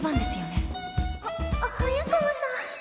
は早川さん。